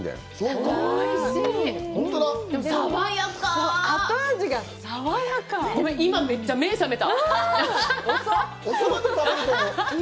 ごめん、今、めっちゃ目が覚めた！